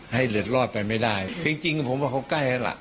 เหลือดรอดไปไม่ได้จริงจริงผมว่าเขาใกล้แล้วล่ะ